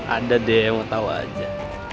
ada deh mau tau aja